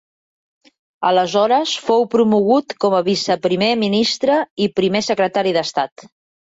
Aleshores, fou promogut com a vice-primer ministre i primer secretari d'estat.